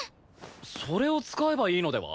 それを使えばいいのでは？